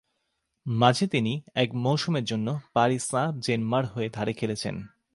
মাঝে তিনি এক মৌসুমের জন্য পারি সাঁ-জেরমাঁর হয়ে ধারে খেলেছেন।